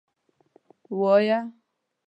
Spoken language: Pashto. وایه.